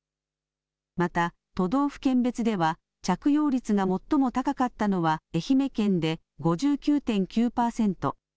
また都道府県別では着用率がもっとも高かったのは愛媛県で５９．９％。